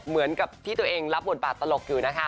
เหมือนกับที่ตัวเองรับบทบาทตลกอยู่นะคะ